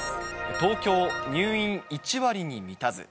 東京、入院１割に満たず。